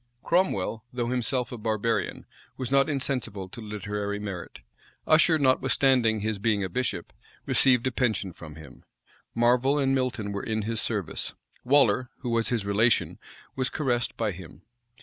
Cromwell, though himself a barbarian was not insensible to literary merit. Usher, notwithstanding his being a bishop, received a pension from him. Marvel and Milton were in his service. Waller, who was his relation, was caressed by him.